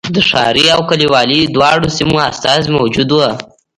د ښاري او کلیوالي دواړو سیمو استازي موجود و.